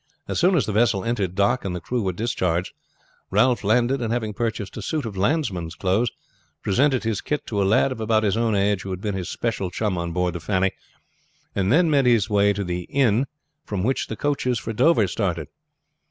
As soon as the vessel entered dock and the crew were discharged Ralph landed, and having purchased a suit of landsman clothes, presented his kit to a lad of about his own age, who had been his special chum on board the Fanny, and then made his way to the inn from which the coaches for Dover started.